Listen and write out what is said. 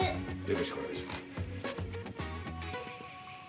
よろしくお願いします。